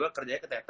ntar kerjanya ketepet